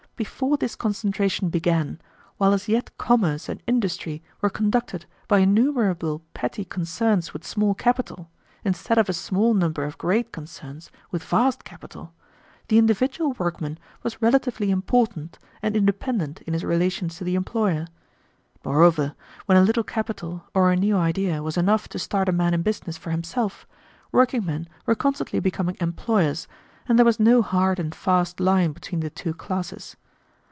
Before this concentration began, while as yet commerce and industry were conducted by innumerable petty concerns with small capital, instead of a small number of great concerns with vast capital, the individual workman was relatively important and independent in his relations to the employer. Moreover, when a little capital or a new idea was enough to start a man in business for himself, workingmen were constantly becoming employers and there was no hard and fast line between the two classes.